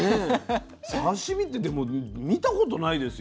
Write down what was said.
刺身ってでも見たことないですよ。